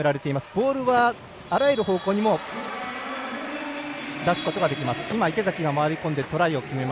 ボールはあらゆる方向に出すことができます。